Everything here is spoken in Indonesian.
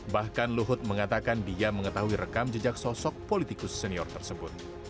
bahkan luhut mengatakan dia mengetahui rekam jejak sosok politikus senior tersebut